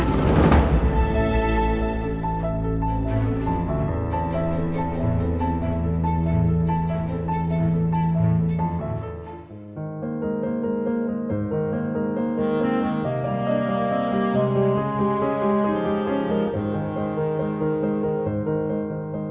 kamu bisa jalan